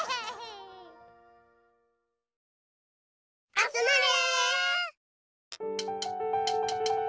あつまれ。